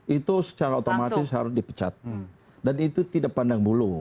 itu secara otomatis harus dipecat dan itu tidak pandang bulu